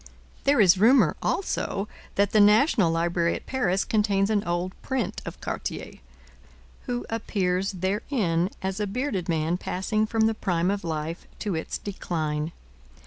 There is rumour, also, that the National Library at Paris contains an old print of Cartier, who appears therein as a bearded man passing from the prime of life to its decline.